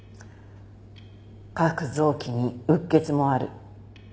各臓器にうっ血もある。